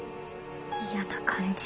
嫌な感じ。